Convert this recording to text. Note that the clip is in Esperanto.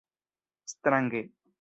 strange